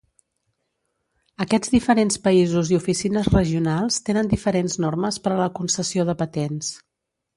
Aquests diferents països i oficines regionals tenen diferents normes per a la concessió de patents.